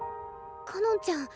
かのんちゃん